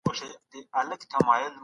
امام نووي رحمه الله فرمايي.